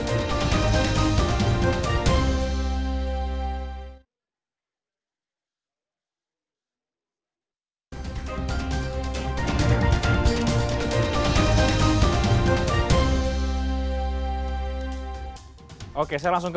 pendekatan seperti apa yang sebaiknya